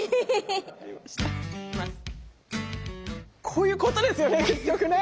こういうことですよね結局ね。